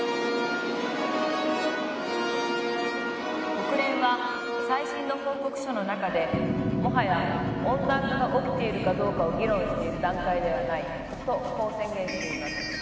「国連は最新の報告書の中でもはや温暖化が起きているかどうかを議論している段階ではないとこう宣言しています」